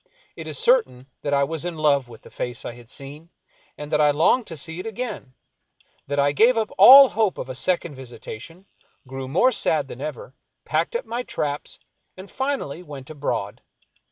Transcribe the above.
It is certain that I was in love with the face I had seen, and that I longed to see it again ; that I gave up all hope of a second visitation, grew more sad than ever, packed up my traps, and finally went abroad.